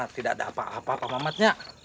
tidak ada apa apa pak mamatnya